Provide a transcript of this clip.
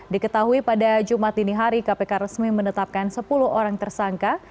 diketahui pada jumat dini hari kpk resmi menetapkan sepuluh orang tersangka